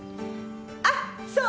あっそうだ。